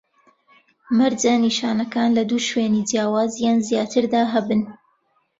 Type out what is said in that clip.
مەرجە نیشانەکان لە دوو شوێنی جیاواز یان زیاتر دا هەبن